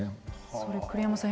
それは栗山さん